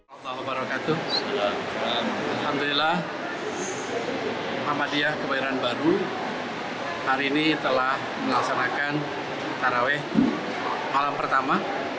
alhamdulillah muhammadiyah kebayoran baru hari ini telah melaksanakan taraweh malam pertama